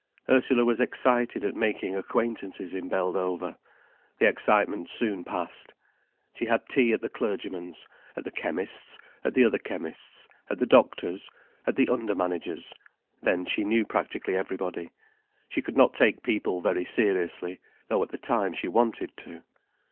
Ursula was excited at making acquaintances in Beldover. The excitement soon passed. She had tea at the clergyman's, at the chemist's, at the other chemist's, at the doctor's, at the under manager's—then she knew practically everybody. She could not take people very seriously, though at the time she wanted to.